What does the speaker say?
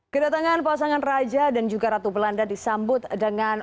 kedatangan pasangan raja dan juga ratu belanda disambut dengan